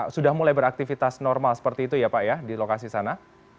sudah mulai beraktivitas normal seperti itu ya pak ya di lokasi sana